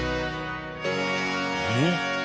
えっ？